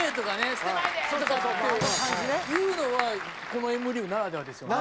「捨てないで！」とかって言うのはこのＭリーグならではですよね。